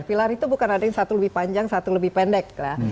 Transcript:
pilar itu bukan ada yang satu lebih panjang satu lebih pendek lah